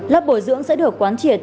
lớp bồi dưỡng sẽ được quán triệt